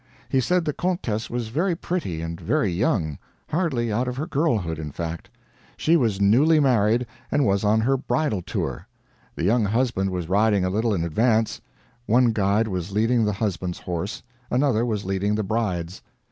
He said the Countess was very pretty, and very young hardly out of her girlhood, in fact. She was newly married, and was on her bridal tour. The young husband was riding a little in advance; one guide was leading the husband's horse, another was leading the bride's.